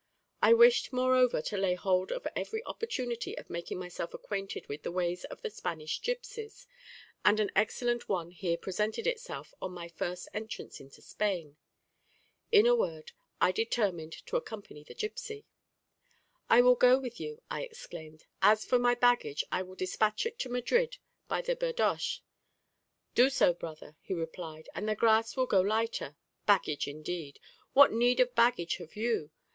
I wished moreover to lay hold of every opportunity of making myself acquainted with the ways of the Spanish gipsies, and an excellent one here presented itself on my first entrance into Spain. In a word, I determined to accompany the gipsy. "I will go with you," I exclaimed; "as for my baggage, I will dispatch it to Madrid by the birdoche." "Do so, brother," he replied, "and the gras will go lighter. Baggage, indeed! what need of baggage have you?